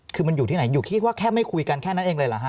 คือมันอยู่ที่ไหนอยู่คิดว่าแค่ไม่คุยกันแค่นั้นเองเลยเหรอฮะ